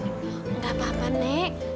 gak apa apa nek